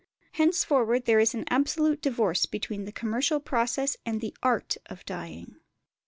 Henceforward there is an absolute divorce between the commercial process and the art of dyeing.